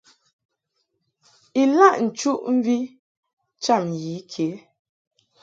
Ilaʼ nchuʼmvi cham yi ke.